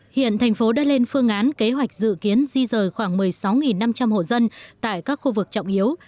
hiện thành phố đã lên phương án kế hoạch dự kiến di rời khoảng một mươi sáu năm trăm linh hộ dân tại các khu vực trọng yếu